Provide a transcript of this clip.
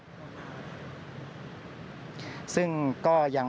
ซึ่งก็ยังมีเจ้าหน้าที่รวมทั้งขณะเดียวกัน